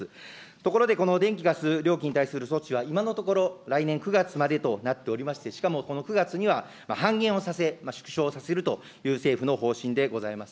ところでこの電気・ガス料金に対する措置は、今のところ来年９月までとなっておりまして、しかもその９月には半減をさせ、縮小させるという政府の方針でございます。